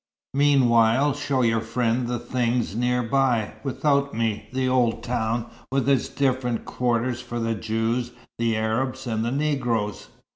Meanwhile, show your friend the things near by, without me; the old town, with its different quarters for the Jews, the Arabs, and the Negroes.